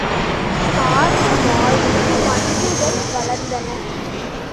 சார்ந்து வாழும் பண்புகள் வளர்ந்தன.